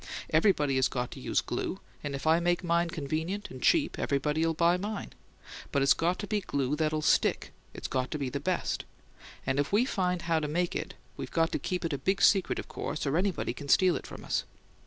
Everybody has to use glue, and if I make mine convenient and cheap, everybody'll buy mine. But it's got to be glue that'll STICK; it's got to be the best; and if we find how to make it we've got to keep it a big secret, of course, or anybody can steal it from us.